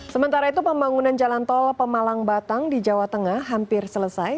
sementara itu pembangunan jalan tol pemalang batang di jawa tengah hampir selesai